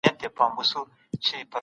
نور عوامل هم د مړینې سبب کېدای شي.